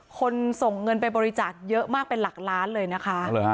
ส่งเงินไปบริจาคเยอะมากเป็นหลักล้านเลยนะคะ